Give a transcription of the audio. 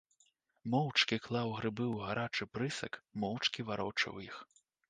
Моўчкі клаў грыбы ў гарачы прысак, моўчкі варочаў іх.